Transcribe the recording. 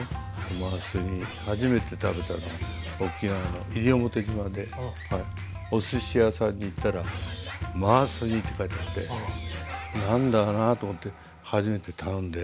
マース煮初めて食べたのは沖縄の西表島でおすし屋さんに行ったら「マース煮」って書いてあって何だろなと思って初めて頼んで。